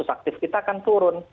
aktif kita akan turun